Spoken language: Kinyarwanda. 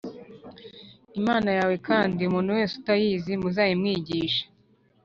Imana yawe kandi umuntu wese utayazi muzayamwigishe